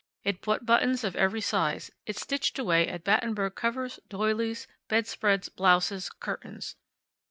It bought buttons of every size; it stitched away at Battenberg covers, doilies, bedspreads, blouses, curtains.